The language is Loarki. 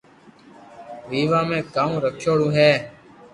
ويوا ۾ ڪاو رکيآوڙو ھي